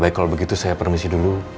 baik kalau begitu saya permisi dulu